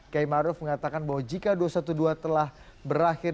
kiai maruf mengatakan bahwa jika dua ratus dua belas telah berakhir